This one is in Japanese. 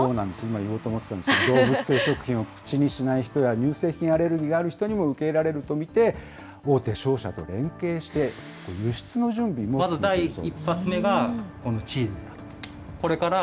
今言おうと思ってたんですけれども、動物性食品を口にしない人や、乳製品アレルギーがある人にも受け入れられると見て、大手商社と連携して、輸出の準備も進んでいるそうです。